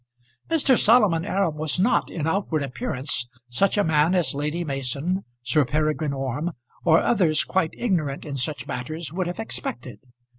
Mr. Solomon Aram was not, in outward appearance, such a man as Lady Mason, Sir Peregrine Orme, or others quite ignorant in such matters would have expected.